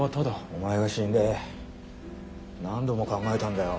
お前が死んで何度も考えたんだよ。